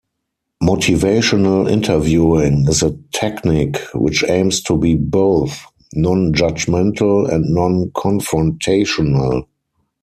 Motivational interviewing is a technique which aims to be both non-judgmental and non-confrontational.